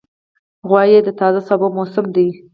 غویی د تازه سابو موسم دی.